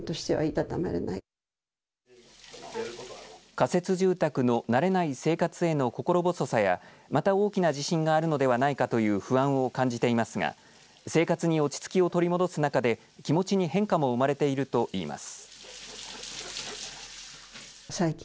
仮設住宅の慣れない生活への心細さやまた大きな地震があるのではないかという不安を感じていますが生活に落ち着きを取り戻す中で気持ちに変化も生まれているといいます。